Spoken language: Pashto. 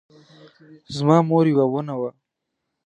زما مور یوه ونه وه